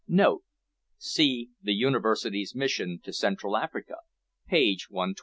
[See The Universities' Mission to Central Africa, page 112.